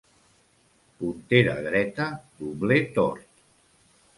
Puntera dreta, dobler tort.